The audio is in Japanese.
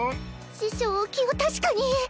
師匠気を確かに。